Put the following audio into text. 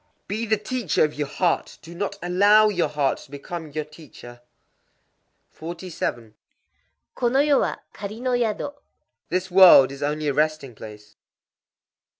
_ Be the teacher of your heart: do not allow your heart to become your teacher. 47.—Kono yo wa kari no yado. This world is only a resting place.